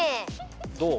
どう？